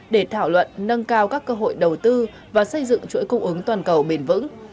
để thảo luận nâng cao các cơ hội đầu tư và xây dựng chuỗi cung ứng toàn cầu bền vững